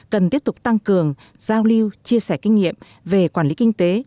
cần tiếp tục tăng cường giao lưu chia sẻ kinh nghiệm về quản lý kinh tế